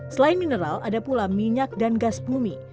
selain mineral ada pula minyak dan gas bumi